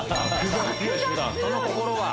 その心は？